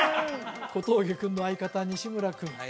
小峠君の相方西村君